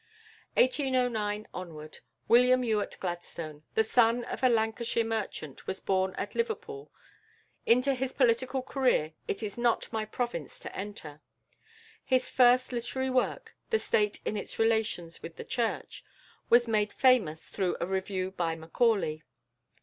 =William Ewart Gladstone (1809 )=, the son of a Lancashire merchant, was born at Liverpool. Into his political career it is not my province to enter. His first literary work, "The State in its Relations with the Church," was made famous through a review by Macaulay.